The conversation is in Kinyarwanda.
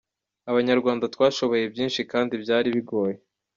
Abanyarwanda twashoboye byinshi kandi byari bigoye.